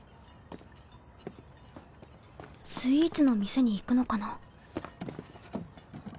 スイーツの店に行くのかな？